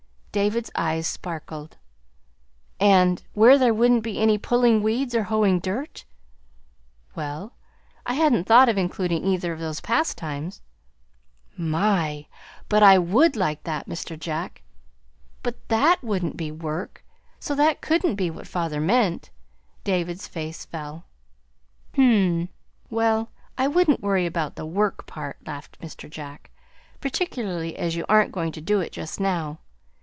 David's eyes sparkled. "And where there wouldn't be any pulling weeds or hoeing dirt?" "Well, I hadn't thought of including either of those pastimes." "My, but I would like that, Mr. Jack! but THAT wouldn't be WORK, so that couldn't be what father meant." David's face fell. "Hm m; well, I wouldn't worry about the 'work' part," laughed Mr. Jack, "particularly as you aren't going to do it just now.